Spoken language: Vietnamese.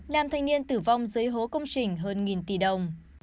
nam thanh niên tử vong dưới hố công trình hơn nghìn tỷ đồng